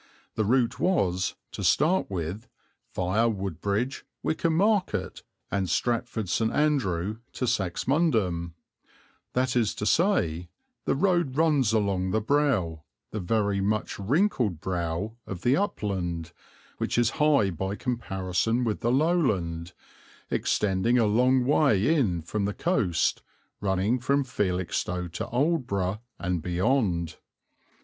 The route was, to start with, viâ Woodbridge, Wickham Market, and Stratford St. Andrew to Saxmundham; that is to say, the road runs along the brow, the very much wrinkled brow, of the upland, which is high by comparison with the lowland, extending a long way in from the coast, running from Felixstowe to Aldeburgh and beyond.